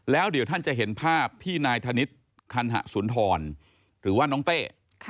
แล้วเดี๋ยวท่านจะเห็นภาพที่นายธนิษฐ์คันหะสุนทรหรือว่าน้องเต้